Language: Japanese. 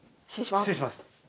失礼します。